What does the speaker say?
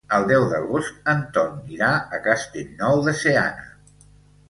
El deu d'agost en Ton irà a Castellnou de Seana.